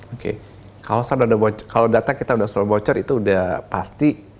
oke kalau data kita sudah bocor itu sudah pasti